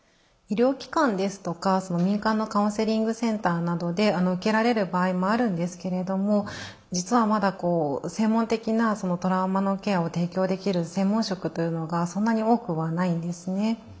医療機関ですとか民間のカウンセリングセンターなどで受けられる場合もあるんですけれども実はまだ専門的なトラウマのケアを提供できる専門職というのがそんなに多くはないんですね。